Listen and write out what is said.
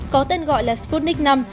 có tên gọi là sputnik v